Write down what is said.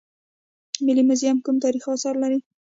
ملي موزیم کوم تاریخي اثار لري؟